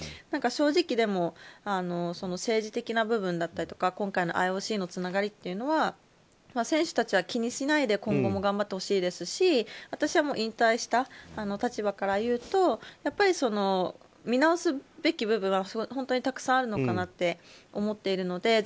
正直、政治的な部分だったりとかＩＯＣのつながりというのは選手たちは気にしないで今後も頑張ってほしいですし私は引退した立場から言うとやっぱり、見直すべき部分は本当にたくさんあるのかなって思っているので。